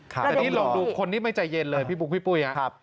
แต่ที่เราดูคนที่ไม่ใจเย็นเลยพี่ปุ๊ยนะครับ